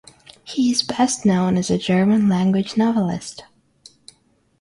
He is best known as a German-language novelist.